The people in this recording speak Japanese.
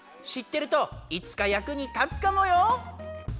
知ってるといつか役に立つかもよ！